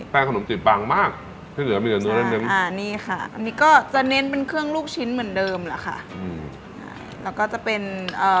ขนมจีบบางมากที่เหลือมีแต่เนื้อเนมอ่านี่ค่ะอันนี้ก็จะเน้นเป็นเครื่องลูกชิ้นเหมือนเดิมแหละค่ะอืมแล้วก็จะเป็นเอ่อ